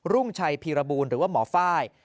รุ่งชัยพีรบูลหรือว่าหมอไฟล์